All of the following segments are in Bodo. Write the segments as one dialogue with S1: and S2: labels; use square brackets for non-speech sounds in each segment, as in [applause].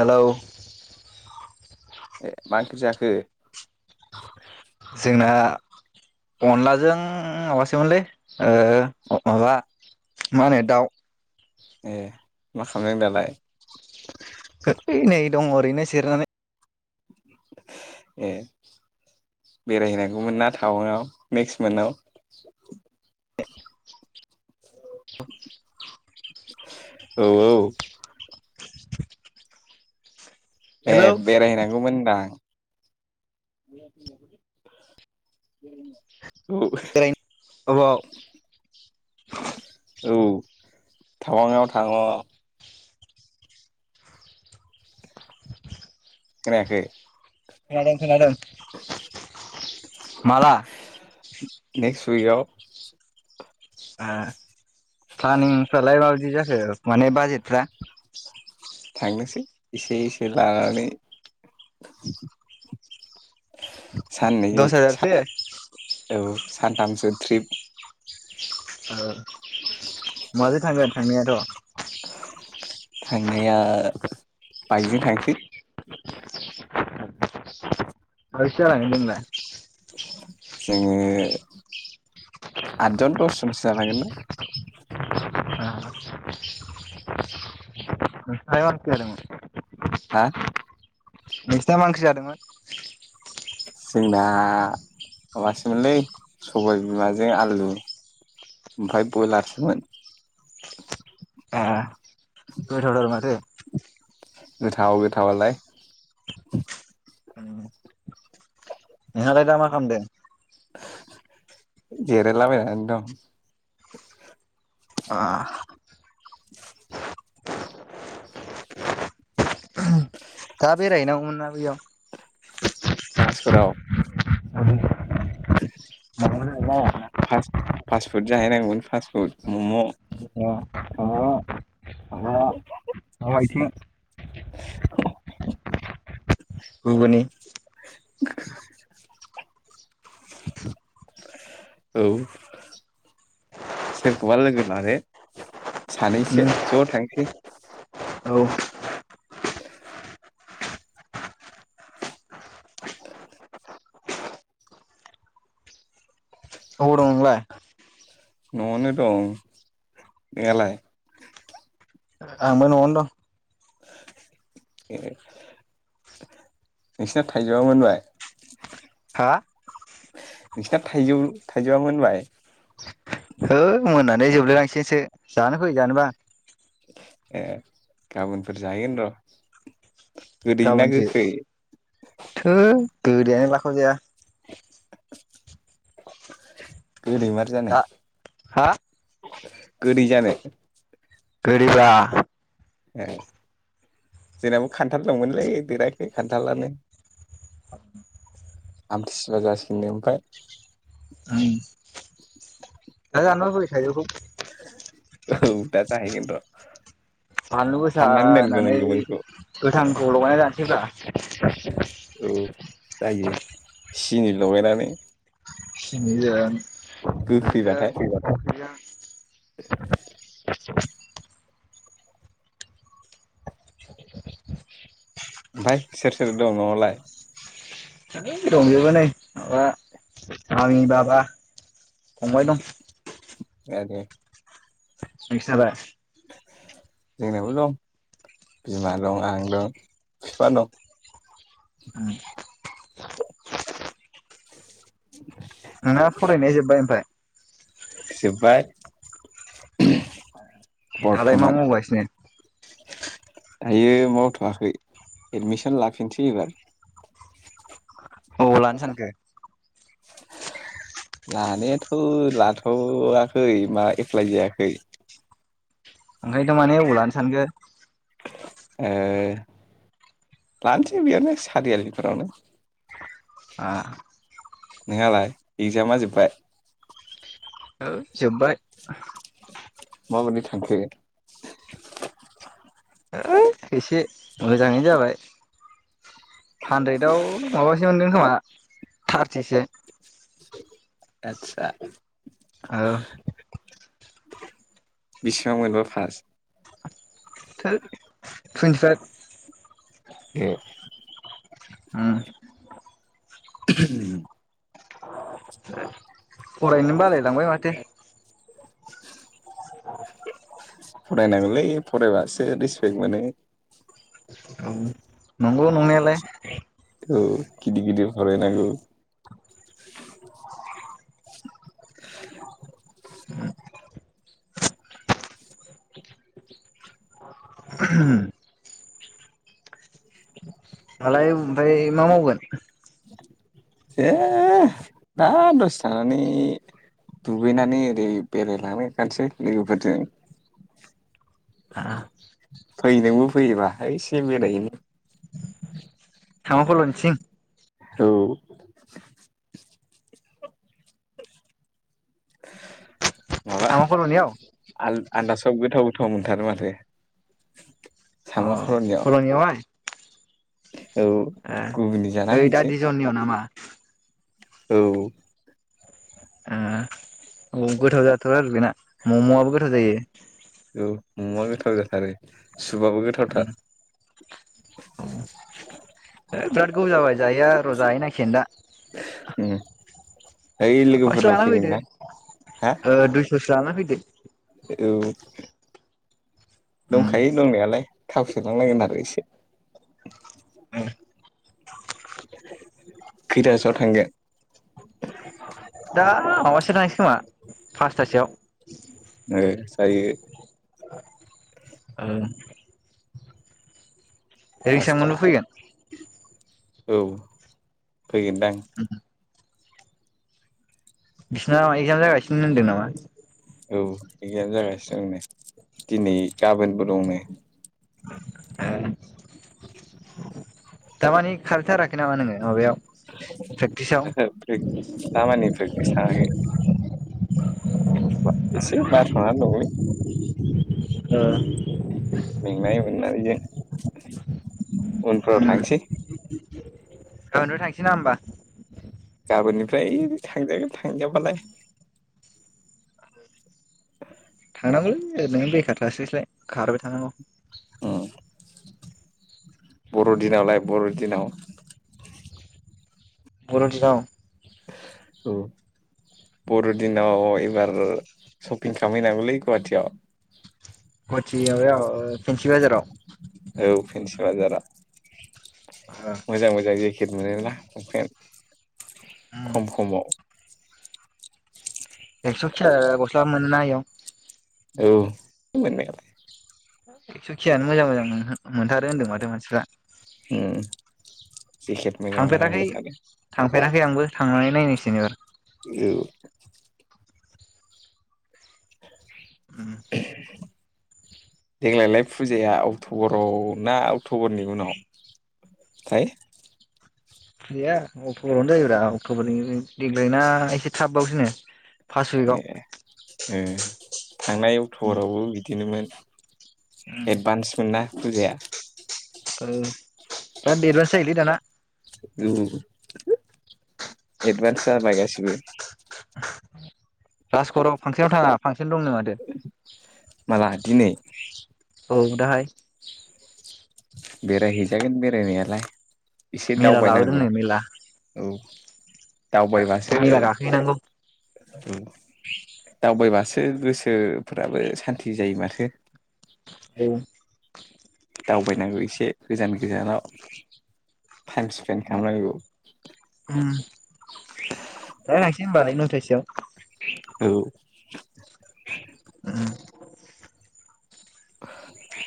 S1: हेलौ
S2: ए मा ओंख्रि जाखो
S1: जोंना अनलाजों माबास सोमोनलै ओ माबा मा होनो दाउ
S2: ए मा खालामदों दालाय
S1: है नै दं ओरैनो से जिरायनानै
S2: ए बेरायहैनांगौमोन ना टावाङाव नेकस्ट मान्थआव [inaudible]
S1: [inaudible]
S2: औ औ ए
S1: हेलौ
S2: बेरायहैनांगौमोनदां [inaudible]
S1: [unintelligible]
S2: थावङाआव थाङ खोनायाखै?
S1: खोनादों खोनादों माला?
S2: नेकस्ट उइकआव
S1: ओ फ्लानिं फ्रालाय मा बादि जाखो? माने बाजेथफ्रा। [inaudible]
S2: थांनोसै एसे एसे लानानै। साननैनि
S1: दस हाजारसो
S2: सा औ। सानथामसो ट्रिप।
S1: ओ माजों थांगोन थांनायाथ।
S2: थांनाया बाइकजों थांसै।
S1: साबैसे जालांगोन जोंलाय?
S2: जोङो आदजन दसजनसो जानांगोन दां।
S1: नोंसिना मा ओंख्रि जादोंमोन?
S2: हा।
S1: नोंसिना मा ओंख्रि जादोंमोन?
S2: जोंना माबासोमोनलै सबाय बिमाजों आलु ओमफ्राय बयलारसोमोन।
S1: ए गोथावथार माथो।
S2: गोथाव गोथावालाय।
S1: नोंहा लाय दा मा खालामदों?
S2: जिरायला बायनानै दं।
S1: आ
S2: [inaudible] बि [inaudible]
S1: दा बेराय हैनांगौ मोनना बैयाव।
S2: राजगराव।
S1: [unintelligible] [unintelligible]
S2: फास्टफुड जाहैनांगौमोन फासटफुड मम।
S1: माबा
S2: [inaudible]
S1: दाव आइथिं।
S2: [inaudible]
S1: गुगुनि।
S2: औ सोरखोबा लोगो लादो
S1: उम
S2: सानैसो ज थांसै
S1: औ
S2: [inaudible]
S1: अबाव
S2: औ।
S1: दं नोंलाय?
S2: नआवनो दं नोंहालाय?
S1: आंबो नआव दं।
S2: ए नोंसिना थाइजौआ मोनबाय।
S1: हा
S2: नोंसिना थाइजौ थाइजौआ मोनबाय?
S1: मोननानै जोबलायलांसैसो जानो फै जानोबा?
S2: ए गाबोनफोर जाहैगोन र। गोदै ना
S1: गाबोनसो
S2: गोखै
S1: थोद गोदैयानो लाखावजाया। [inaudible]
S2: [inaudible] गोदैमार जानो?
S1: दा हा
S2: गोदै जानो?
S1: गोदैब्रा
S2: ए जोंनाबो खान्थाल दंमोनलै देराखै खान्थालानो आमथिसुवा जासिगोननो ओमफ्राय
S1: उम दा जानोबा बै थाइजौखौ?
S2: औ दा जाहैगोन र'
S1: बानलु गोसा
S2: हाननानै दोन
S1: होननानै
S2: गोमोन गोमोनखौ
S1: गोथांखौ लगायना
S2: औ
S1: जानोसैब्रा
S2: जायो सिनि लगायनानै
S1: सिनिजों
S2: गोखैबाथाय
S1: [unintelligible]
S2: [inaudible]
S1: [inaudible]
S2: ओमफ्राय सोर सोर दं न'आवलाय?
S1: ओंलै दंजोबो नै माबा मामि बाबा फंबाय दं
S2: आ दे
S1: नोंसालाय?
S2: जोंनाबो दं बिमा दं आं दं फिफा दं
S1: नोंना फरायनाया जोब्बाय ओमफ्राय
S2: सिबाय
S1: दालाय मा मावगासिनो?
S2: दायो मावथ'वाखै एडमिसन लाफिनसै एबार
S1: अबाव लानो सानखो?
S2: लानायाथ' लाथ'वाखै मा एप्लाइ जायाखै।
S1: ओंखायनोथ' माने अबाव लानो सानखो?
S2: ओ लानोसै बेयावनो सारियालिफोरावनो।
S1: आ
S2: नोंहालाय इगजामा जोबबाय?
S1: औ जोबबाय
S2: माबादि थांखो?
S1: एसे मोजाङैनो जाबाय हानद्रेदाव माबा जोंदों खोमा थारथिसे
S2: [inaudible] आतसा
S1: औ
S2: बिसेबां मोनबा फास?
S1: टोट टुइन्टिफाइभ
S2: ए
S1: उम
S2: [unintelligible]
S1: फरायनो बालायलांबाय माथो
S2: फरायनांगोलै फरायबासो रिसपेक्ट मोनो
S1: औ नंगौ नंनायालाय
S2: गिदर गिदिर फराय नांगौ [inaudible]
S1: दालाय ओमफ्राय मा मावगोन
S2: ए दा दसे थानानै दुगैनानै ओरै बेरायलांबायथानोसै लोगोफोरजों फै नोंबो फैयोबा एसे बेरायहैनि
S1: हमा फलनसिं
S2: औ माबा
S1: थामा कल'नियाव
S2: आल आन्दासाव गोथाव गोथाव मोनथारो माथो।
S1: अ खल'नियाव हाय
S2: औ
S1: ए
S2: गुबुननि जाना
S1: ओइ दा
S2: फैनोसै
S1: दिजननियाव नामा?
S2: औ
S1: आ औ गोथाव जाथारो बेना मम आबो गोथाव जायो।
S2: ममआ गोथाव जाथारो सुबाबो गोथावथार
S1: ओ बिराद गोबाव जाबाय जायोया र जाहै नांसिगोन दा।
S2: उम ओइ
S1: माबासो
S2: लोगोफोरबो
S1: लाना
S2: फैगोन दां हा
S1: दानो फैदो।
S2: औ
S1: उम
S2: दंखायो दंनायालाय। थाव सोनांलायगोन आरो इसे खैथासोआव थांगोन?
S1: दा माबासोआव थांसै खोमा। फासथासोआव।
S2: ओ जायो।
S1: उम रिगसा
S2: पासथा
S1: मोनबो फैगोन?
S2: औ फैगोनदां।
S1: बिसिनाव एगजाम जागासिनो होनदों नामा?
S2: जोंनो दिनै गाबोनबो दंनो।
S1: ओ थामानि खारैथाराखै नामा नोङो माबायाव प्रेक्टिसाव
S2: ओहो दामानि प्रेकतिस थाङाखै। बा इसे बाथ'नान दंलै।
S1: ओ
S2: मेंनाय मोननानैनो उनफ्राव थांसै
S1: गाबोनथ' थांसै ना होमबा?
S2: गाबोननिफ्राय थांजागोन थांजाबालाय
S1: थांनांगौैलै ओरैनो बेखार थास्लासाय खारबाय थानांगौ।
S2: बर' दिनावलाय बर' दिनाव?
S1: बर'दिनाव?
S2: औ बर'दिनाव एबार सपपिं खालामहैनांगौलै गुवाटियाव
S1: गुवाटियाव [unintelligible]
S2: औ फेन्सि बाजारा
S1: ओ
S2: मोजां मोजां जेखेट मोनोना [unintelligible]
S1: उम
S2: खम खमाव
S1: एक्जफिजा गस्लाबो मोनोना इयाव?
S2: औ ओमोननायालाय
S1: एक्सुखियानो मोजां मोजां नोंहो मोनथारो होनदों माथो मानसिफ्रा
S2: ओम जेकेट मोजां मोजां मोनथारो
S1: फेराखै आंबो थांनानै नायनोसैनि एबार
S2: औ [inaudible]
S1: ओम
S2: देग्लायलाय फुजाया अक्ट'बराव ना अक्ट'बरनि उनाव थाय
S1: गैया अक्ट'बरावनो योब्रा अक्ट'बरनि देग्लायना एसे थाब बावसोनो फास उइकाव
S2: ए ओ थांनाय अक्ट'रावबो बिदिनोमोन एडभान्समोन ना? पुजाया
S1: औ ब्राद देरभास जायोलै दाना
S2: एडभान्स जाबाय गासैबो
S1: राजकरआव फांसनाव थाङा फांस सन दंनो मादो
S2: माला दिनै?
S1: औ दाहाय
S2: बेराय हैजागोन बेरायनायालाय एसे
S1: मेला
S2: दावबायनांगौ औ।
S1: गा मेला गाखो हैनांगौ
S2: औ दावबायबासो गोसोफोराबो सान्थि जायो माथो।
S1: औ
S2: दावबायनांगौ इसे गोजान गोजानाव। टाइम स्पेनड खाम नांगौ।
S1: दा नायसै होमबालाय न'यथा सोआव।
S2: औ [inaudible]
S1: [inaudible]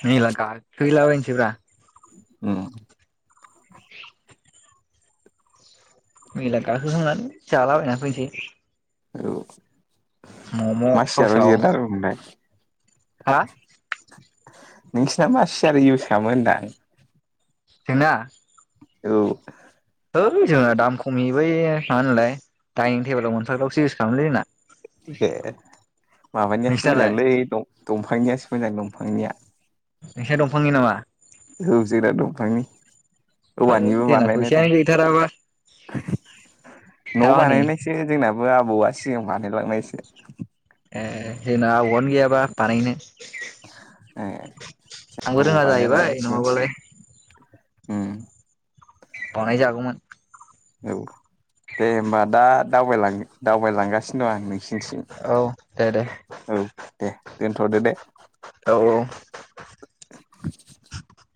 S1: मेला गाखो हैला बाय सैब्रा
S2: उम
S1: मेला गाखोखांनानै जाला बायना फैनोसै।
S2: औ
S1: मम'
S2: मा
S1: साव
S2: सियाराव
S1: साव
S2: जिरायना दं नोंलाय?
S1: हा
S2: नोंसिना मा सियार इउज खामो होनदां?
S1: जोङा
S2: औ
S1: है जोंना दाम खमि बै मा होनोमोनलाय डाइनिं टेबोलाव मोनफाग्राखौसो इउज खालामलै जोंना।
S2: एह माबानियासो
S1: नोंसिनालाय
S2: मोजांलै दं दंफांनियासो मोजां दंफांनिया।
S1: नोंसा दंफांनि नामा?
S2: औ जोना दंफांनि।
S1: है
S2: औवानिबो
S1: जोंना
S2: बानायनाय दं
S1: फैसायानो गैथाराबा दा मानि
S2: बो आबौआ सिगां बानायलांनायसो।
S1: ए जोंना आबौआनो गैयाबा बानायनो
S2: ए,
S1: आंबो
S2: जोंना आबौ
S1: रोङा जाहैबाय
S2: बानायलांनायसोमोन
S1: नङाबालाय
S2: सिगां। उम
S1: बानायजागौमोन।
S2: औ दे होमबा दा दावबायलां दावबायलांगासि दं आं नोंसिनिथिं
S1: औ दे दे
S2: औ दे। दोनथ'दो दे।
S1: औ औ
S2: [inaudible]